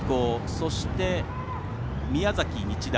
そして、宮崎日大。